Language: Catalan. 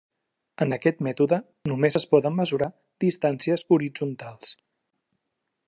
En aquest mètode només es poden mesurar distàncies horitzontals.